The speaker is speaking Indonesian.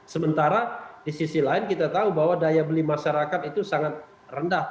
sementara di sisi lain kita tahu bahwa daya beli masyarakat itu sangat rendah